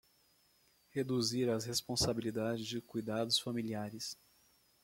Reduzir as responsabilidades de cuidados familiares